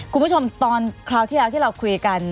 คุณผู้ชมตอนคราวที่แล้วที่เราคุยกัน